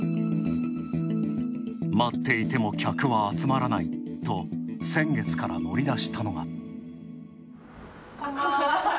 待っていても客は集まらないと先月から乗り出したのが。